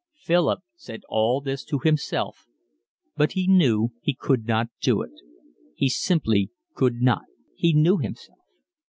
Philip said all this to himself, but he knew he could not do it. He simply could not. He knew himself.